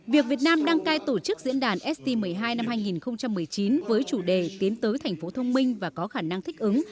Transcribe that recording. việc việt nam đăng cai tổ chức diễn đàn ist một mươi hai năm hai nghìn một mươi chín với chủ đề tiến tới thành phố thông minh và có khả năng thích ứng